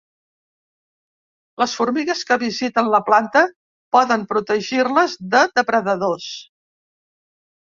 Les formigues que visiten la planta poden protegir-les de depredadors.